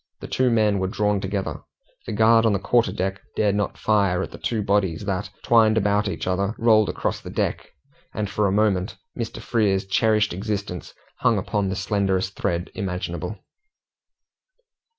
The two men were drawn together. The guard on the quarter deck dared not fire at the two bodies that, twined about each other, rolled across the deck, and for a moment Mr. Frere's cherished existence hung upon the slenderest thread imaginable.